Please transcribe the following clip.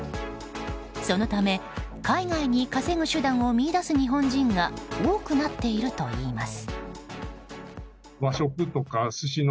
そのため、海外に稼ぐ手段を見いだす日本人が多くなっているといいます。